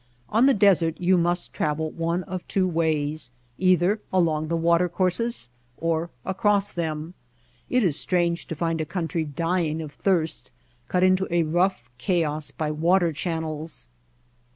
On the desert you must travel one of two ways, either along the water courses or across them. It is strange to find a country dying of thirst cut into a rough chaos by water channels.